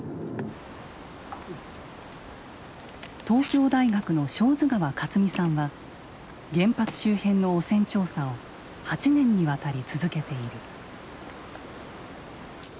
東京大学の小豆川勝見さんは原発周辺の汚染調査を８年にわたり続けている。